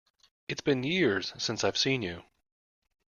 It's been years since I've seen you!